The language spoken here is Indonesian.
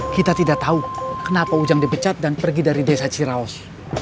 kita tidak tahu kenapa ujang dipecat dan pergi dari desa ciraus